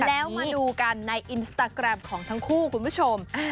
แล้วมาดูกันในอินสตาแกรมของทั้งคู่คุณผู้ชม